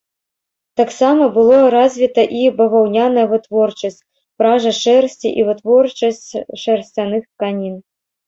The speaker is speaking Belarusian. Таксама было развіта і баваўняная вытворчасць, пража шэрсці і вытворчасць шарсцяных тканін.